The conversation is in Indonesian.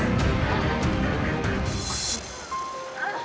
uh palace market kan